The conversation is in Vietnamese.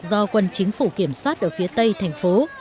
do quân chính phủ kiểm soát ở phía tây thành phố